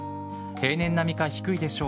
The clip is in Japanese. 平年並みか低いでしょう。